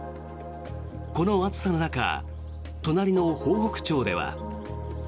この暑さの中隣の豊北町では。